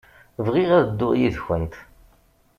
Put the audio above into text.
Bɣiɣ ad dduɣ yid-kent.